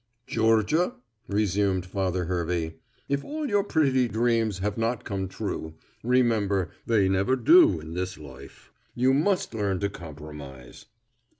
"Georgia," resumed Father Hervey, "if all your pretty dreams have not come true, remember they never do in this life. You must learn to compromise."